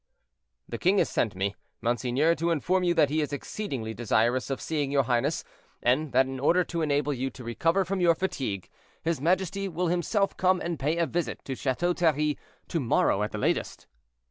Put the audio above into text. "The king has sent me, monseigneur, to inform you that he is exceedingly desirous of seeing your highness, and that in order to enable you to recover from your fatigue, his majesty will himself come and pay a visit to Chateau Thierry, to morrow at the latest."